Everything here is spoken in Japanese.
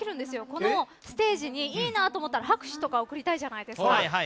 このステージにいいなと思ったら拍手とかを送りたいじゃないですか。